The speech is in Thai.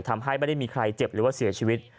ทำให้ไม่ได้มีใครเจ็บหรือว่าเสียชีวิต